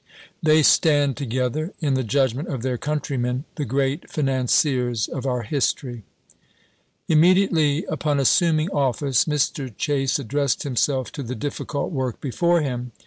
They stand together, in the judgment of their countrymen, the great financiers of our history. Immediately upon assuming ofl&ce Mr. Chase ad dressed himself to the difficult work before him.